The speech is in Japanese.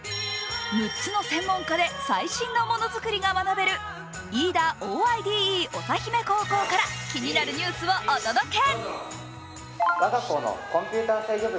６つの専門科で最新のものづくりが学べる飯田ＯＩＤＥ長姫高校から気になるニュースをお届け。